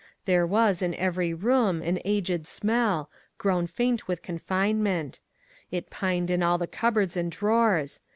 There was, in every room, an aged smell, grown faint with confinement. It pined in all the cupboards and drawers.